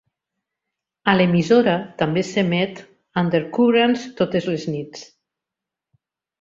A l'emissora també s'emet "UnderCurrents" totes les nits.